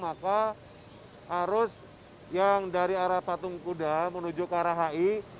maka arus yang dari arah patung kuda menuju ke arah hi